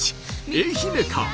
愛媛か？